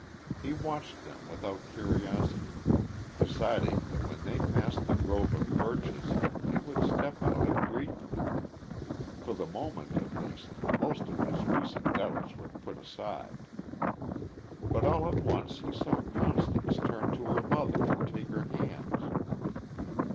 He watched them without curiosity, deciding that when they passed the grove of birches he would step out and greet them. For the moment, at least, most of his recent doubts were put aside. But all at once he saw Constance turn to her mother and take her hands.